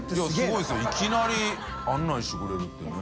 いきなり案内してくれるってね。